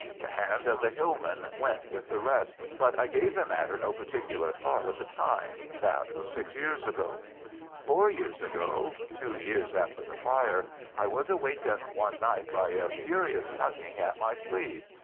The hand of the hillman went with the rest, but I gave the matter no particular thought at the time. That was six years ago. "Four years ago—two years after the fire—I was awakened one night by a furious tugging at my sleeve.